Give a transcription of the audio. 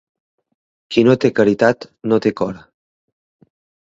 Qui no té caritat, no té cor.